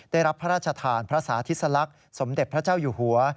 ได้รับพระราชทานพระสาธิสลักษณ์สมเด็จพระเจ้าอยู่หัว